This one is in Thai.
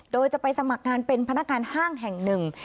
โดยจะไปสมัครงานเป็นพนักงานห้างแห่งหนึ่ง